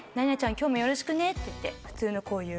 今日もよろしくねって言って普通のこういう。